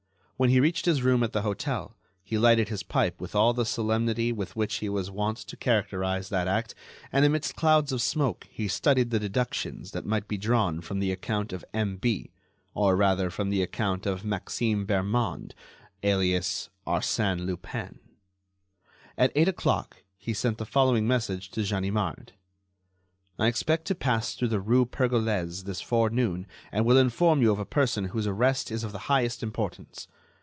When he reached his room at the hotel he lighted his pipe with all the solemnity with which he was wont to characterize that act, and amidst clouds of smoke he studied the deductions that might be drawn from the account of M.B., or rather, from the account of Maxime Bermond alias Arsène Lupin. At eight o'clock he sent the following message to Ganimard: "I expect to pass through the rue Pergolese this forenoon and will inform you of a person whose arrest is of the highest importance.